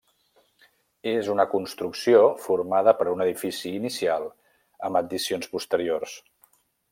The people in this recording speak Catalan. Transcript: És una construcció formada per un edifici inicial amb addicions posteriors.